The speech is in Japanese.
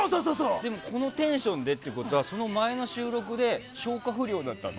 でも、このテンションでってことは前の収録で消化不良だったの？